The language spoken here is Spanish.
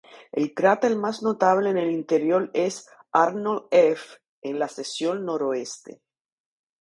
El cráter más notable en el interior es "Arnold F", en la sección noroeste.